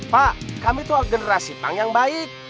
pak kami tuh generasi pang yang baik